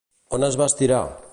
On es va estirar?